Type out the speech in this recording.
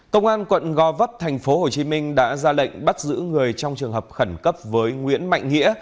công an quận go vấp tp hcm đã ra lệnh bắt giữ người trong trường hợp khẩn cấp với nguyễn mạnh nghĩa